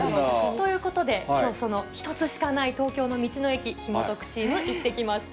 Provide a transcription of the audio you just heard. ということで、きょう、その１つしかない東京の道の駅、ヒモトクっチーム、行ってきました。